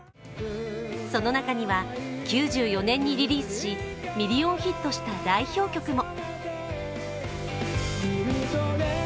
その中には９４年にリリースしミリオンヒットした代表曲も。